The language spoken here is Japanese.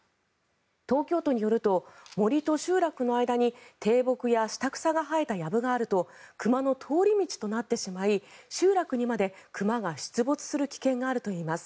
東京都によると、森と集落の間に低木や下草が生えたやぶがあると熊の通り道となってしまい集落にまで熊が出没する危険があるといいます。